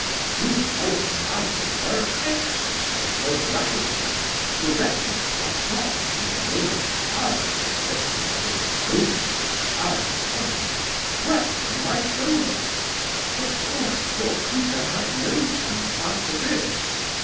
"You may imagine her ecstasy, her gratitude. The wretched Platon, who had almost died since yesterday of the reproaches showered upon him, wept on my shoulder. Of course poor Peter had no chance after this.